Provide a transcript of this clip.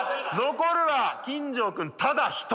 残るは金城君ただ一人。